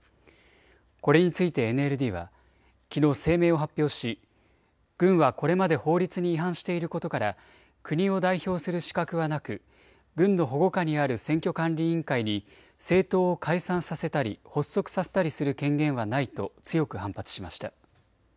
これについてＮＬＤはきのう声明を発表し軍はこれまで法律に違反していることから国を代表する資格はなく軍の保護下にある選挙管理委員会に政党を解散させたり発足させたりする権限はないと強く反発しました。